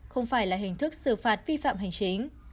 không phải là hình thức xử phạt vi phạm hành chính